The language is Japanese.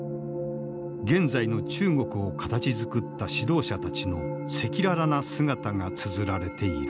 現在の中国を形づくった指導者たちの赤裸々な姿がつづられている。